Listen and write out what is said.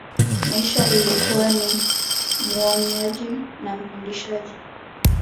masihi alikuwa ni muonyaji na mfundisaji